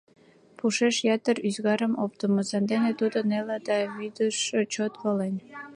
Пушеш ятыр ӱзгарым оптымо, сандене тудо неле да вӱдыш чот волен.